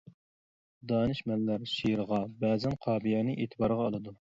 دانىشمەنلەر شېئىرغا بەزەن قاپىيەنى ئېتىبارغا ئالىدۇ.